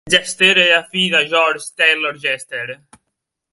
Jester era fill de George Taylor Jester.